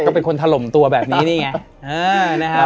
ก็เป็นคนถล่มตัวแบบนี้นี่ไง